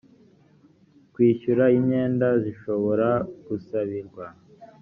kwishyura imyenda zishobora gusabirwa